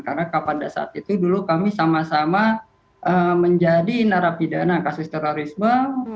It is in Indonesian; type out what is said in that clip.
karena pada saat itu dulu kami sama sama menjadi narapidana kasus terorisme